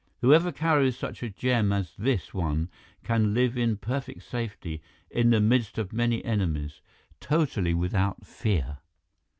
Whoever carries such a gem as this one can live in perfect safety in the midst of many enemies, totally without fear."